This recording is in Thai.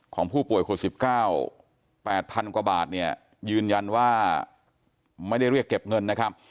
ของผู้ป่วยโควิด๑๙๘๐๐๐กว่าบาทเนี่ยยืนยันว่าไม่ได้เรียกเก็บเงินนะครับ